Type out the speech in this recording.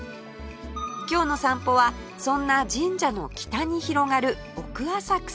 今日の散歩はそんな神社の北に広がる奥浅草